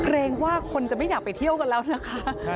รงว่าคนจะไม่อยากไปเที่ยวกันแล้วนะคะ